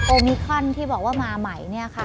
มิคอนที่บอกว่ามาใหม่เนี่ยค่ะ